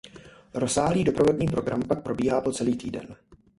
Rozsáhlý doprovodný program pak probíhá po celý týden.